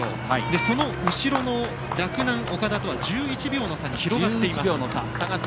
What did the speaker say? その後ろの洛南の岡田とは１１秒差に広がっています。